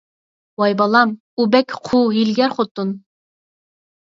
ۋاي بالام، ئۇ بەك قۇۋ، ھىيلىگەر خوتۇن.